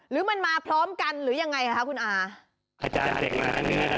หรือมันมาพร้อมกันหรือยังไงค่ะคุณอา